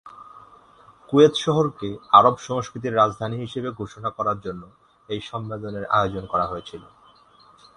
Kuwait শহরকে "আরব সংস্কৃতির রাজধানী" হিসেবে ঘোষণা করার জন্য এই সম্মেলনের আয়োজন করা হয়েছিল।